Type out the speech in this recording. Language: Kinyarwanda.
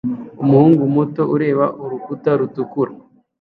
Umuhungu muto ureba urukuta rutukura